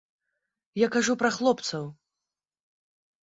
Я кажу пра хлопцаў.